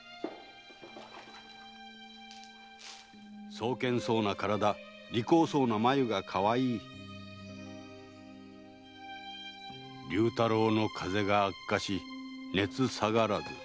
「壮健そうな体利口そうな眉がかわいい」「竜太郎の風邪が悪化し熱下がらず」